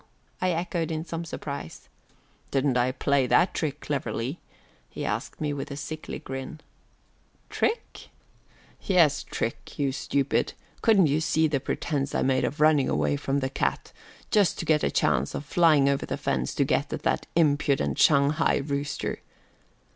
I echoed in some surprise. "Didn't I play that trick cleverly?" he asked with a sickly grin. "Trick?" "Yes, trick, you stupid! Couldn't you see the pretense I made of running away from the cat, just to get a chance of flying over the fence to get at that impudent Shanghai rooster?"